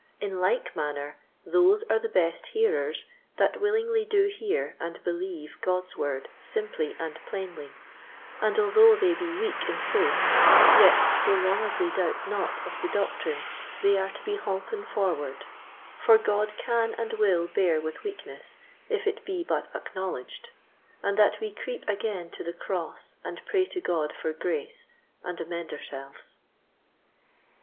In like manner, those are the best Hearers that willingly do hear and believe God's Word simply and plainly, and although they be weak in faith, yet so long as they doubt not of the doctrine they are to be holpen forward; for God can and will bear with weakness if it be but acknowledged, and that we creep again to the Cross and pray to God for grace, and amend ourselves.